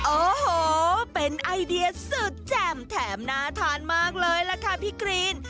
โอ้โหเป็นไอเดียสุดแจ่มแถมน่าทานมากเลยล่ะค่ะพี่กรีน